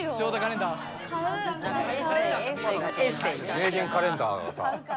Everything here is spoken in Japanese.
名言カレンダーがさ。